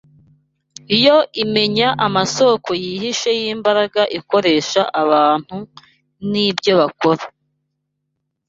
Yo imenya amasoko yihishe y’imbaraga ikoresha abantu n’ibyo bakora